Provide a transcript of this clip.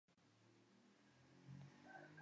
Wily desapareció por un largo tiempo.